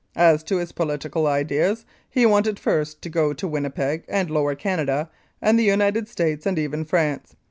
As to his political ideas, he wanted first to go to Winnipeg and Lower Canada and the United States and even France.